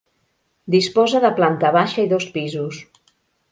Disposa de planta baixa i dos pisos.